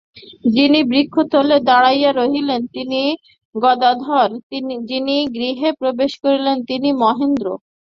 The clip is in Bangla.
যিনি বৃক্ষতলে দাঁড়াইয়া রহিলেন তিনি গদাধর, যিনি গৃহে প্রবেশ করিলেন তিনি মহেন্দ্র।